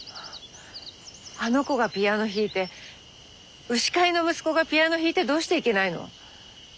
あの子がピアノ弾いて牛飼いの息子がピアノ弾いてどうしていけないの？